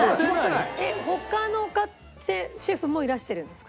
他のシェフもいらしてるんですか？